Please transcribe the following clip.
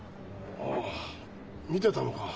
ああ見てたのか。